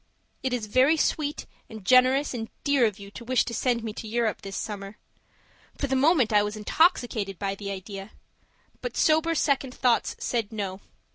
It is very sweet and generous and dear of you to wish to send me to Europe this summer for the moment I was intoxicated by the idea; but sober second thoughts said no.